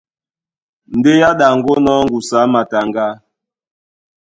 Ndé á ɗaŋgónɔ̄ ŋgusu á mataŋgá,